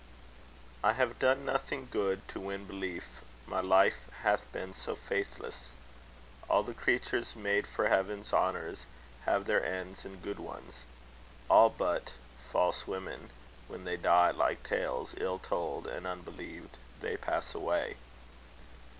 I have done nothing good to win belief, My life hath been so faithless; all the creatures Made for heaven's honours, have their ends, and good ones; All but...false women...When they die, like tales Ill told, and unbelieved, they pass away.